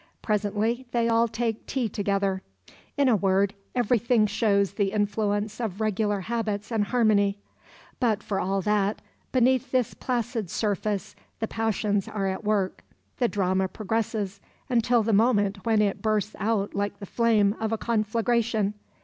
Presently they all take tea together. In a word, everything shows the influence of regular habits and harmony. But for all that, beneath this placid surface the passions are at work, the drama progresses until the moment when it bursts out like the flame of a conflagration.